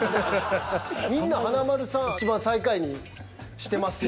みんな華丸さんいちばん最下位にしてますやん。